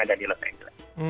ada di lokal